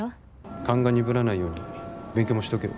勘が鈍らないように勉強もしとけよ。